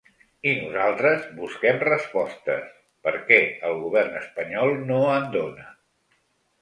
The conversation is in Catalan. I nosaltres busquem respostes perquè el govern espanyol no en dóna.